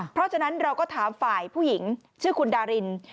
เพราะฉะนั้นเราก็ถามฝ่ายผู้หญิงชื่อคุณดาริน